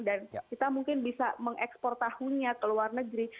dan kita mungkin bisa mengekspor tahunya ke luar negeri